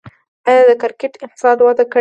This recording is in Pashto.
آیا د کرکټ اقتصاد وده کړې؟